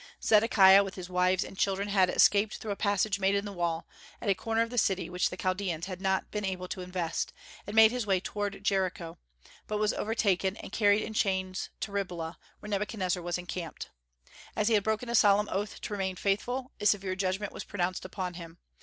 Zedekiah, with his wives and children, had escaped through a passage made in the wall, at a corner of the city which the Chaldeans had not been able to invest, and made his way toward Jericho, but was overtaken and carried in chains to Riblah, where Nebuchadnezzar was encamped. As he had broken a solemn oath to remain faithful, a severe judgment was pronounced upon him.